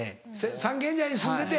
三軒茶屋に住んでて。